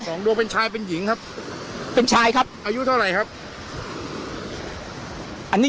ดวงเป็นชายเป็นหญิงครับเป็นชายครับอายุเท่าไหร่ครับอันนี้